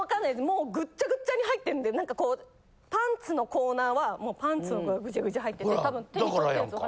もうぐっちゃぐちゃに入ってんで何かこうパンツのコーナーはもうパンツぐちゃぐちゃ入ってて多分適当に取ってるんです。